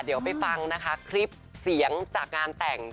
เดี๋ยวไปฟังนะคะคลิปเสียงจากงานแต่ง